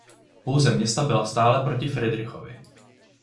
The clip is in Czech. Pouze města byla stále proti Fridrichovi.